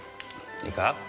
いいか？